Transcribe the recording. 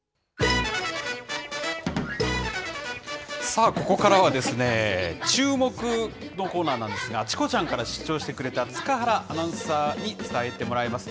さあ、ここからはチューモク！のコーナーなんですが、チコちゃんから出張してくれた、塚原アナウンサーに伝えてもらいます。